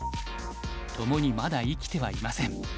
共にまだ生きてはいません。